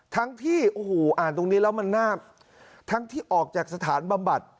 ทั้งที่โอ้โหอ่านตรงนี้แล้วมันน่าทั้งที่ออกจากสถานบำบัด